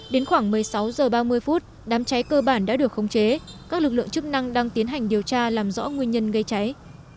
đến khoảng một mươi sáu h ba mươi đám cháy cơ bản đã được khống chế các lực lượng chức năng đang tiến hành điều tra làm rõ nguyên nhân gây cháy